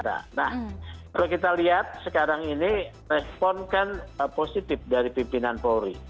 nah kalau kita lihat sekarang ini respon kan positif dari pimpinan polri